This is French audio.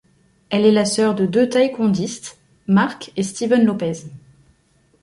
Elle est la sœur de deux taekwondoïstes, Mark et Steven López.